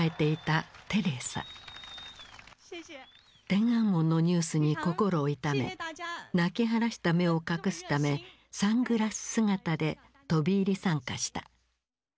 天安門のニュースに心を痛め泣きはらした目を隠すためサングラス姿で飛び入り参加した。